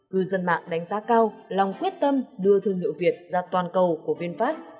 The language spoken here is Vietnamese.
cư dân mạng đánh giá cao lòng quyết tâm đưa thương hiệu việt ra toàn cầu của vinfast